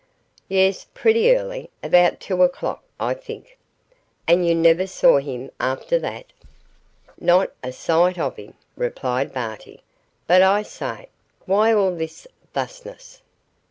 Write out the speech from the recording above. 'Yes pretty early about two o'clock, I think.' 'And you never saw him after that?' 'Not a sight of him,' replied Barty; 'but, I say, why all this thusness?